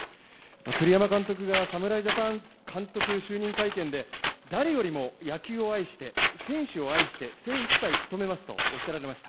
栗山監督が侍ジャパン監督就任会見で、誰よりも野球を愛して、選手を愛して、精いっぱいつとめますとおっしゃられました。